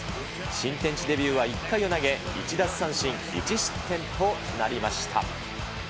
新天地デビューは１回を投げ、１奪三振１失点となりました。